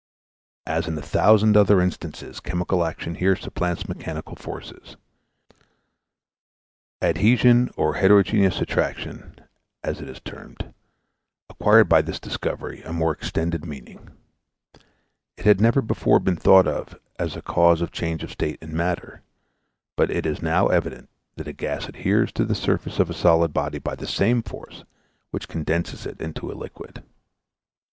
As in a thousand other instances, chemical action here supplants mechanical forces. Adhesion or heterogeneous attraction, as it is termed, acquired by this discovery a more extended meaning; it had never before been thought of as a cause of change of state in matter; but it is now evident that a gas adheres to the surface of a solid body by the same force which condenses it into a liquid.